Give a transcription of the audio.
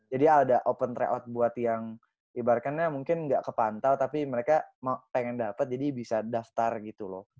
jadi ada open tryout buat yang ibaratnya mungkin gak kepantau tapi mereka pengen dapet jadi bisa daftar gitu loh